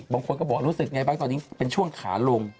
บางคนก็บอกรู้สึกไงบ้างตอนนี้เป็นช่วงขาลง